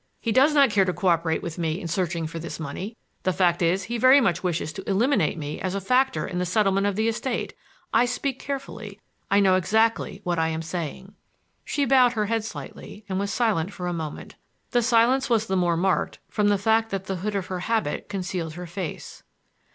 He does not care to coöperate with me in searching for this money. The fact is that he very much wishes to eliminate me as a factor in the settlement of the estate. I speak carefully; I know exactly what I am saying." She bowed her head slightly and was silent for a moment. The silence was the more marked from the fact that the hood of her habit concealed her face.